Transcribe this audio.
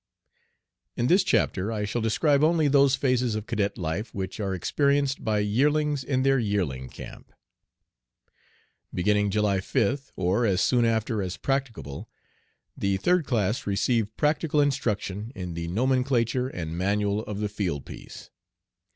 IN this chapter I shall describe only those phases of cadet life which are experienced by "yearlings" in their "yearling camp." Beginning July 5th, or as soon after as practicable, the third class receive practical instruction in the nomenclature and manual of the field piece.